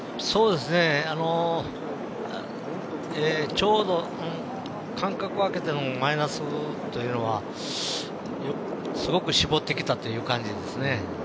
ちょうど間隔を空けてのマイナスというのがすごく絞ってきたという感じですね。